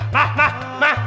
nah nah nah